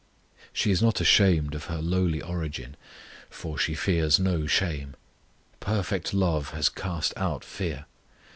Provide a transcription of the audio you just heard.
She is not ashamed of her lowly origin, for she fears no shame: perfect love has cast out fear.